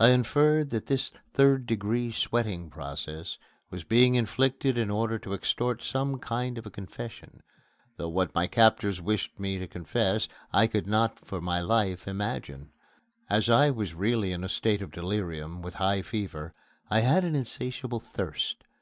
I inferred that this third degree sweating process was being inflicted in order to extort some kind of a confession, though what my captors wished me to confess I could not for my life imagine. As I was really in a state of delirium, with high fever, I had an insatiable thirst.